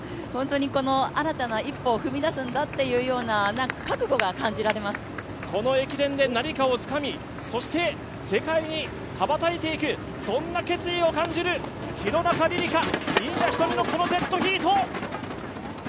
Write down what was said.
新たな一歩を踏み出すんだというようなこの駅伝で何かをつかみそして世界に羽ばたいていく、そんな決意を感じる廣中璃梨佳、新谷仁美のこのデッドヒート。